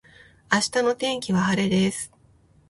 明日の天気は晴れです